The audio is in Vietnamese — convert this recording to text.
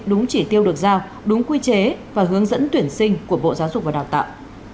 đúng chỉ tiêu được giao đúng quy chế và hướng dẫn tuyển sinh của bộ giáo dục và đào tạo